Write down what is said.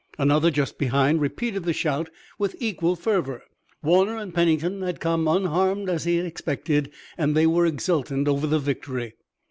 Another just behind repeated the shout with equal fervor. Warner and Pennington had come, unharmed as he had expected, and they were exultant over the victory.